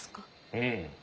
うん。